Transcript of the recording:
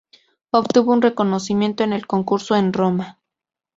Obtuvo un reconocimiento en el concurso en Roma.